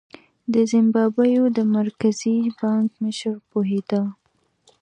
د زیمبابوې د مرکزي بانک مشر پوهېده.